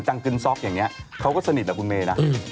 กินซ็อกอย่างนี้เขาก็สนิทแบบคุณเมย์นะ